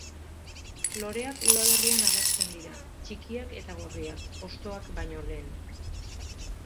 Loreak udaberrian agertzen dira, txikiak eta gorriak, hostoak baino lehen.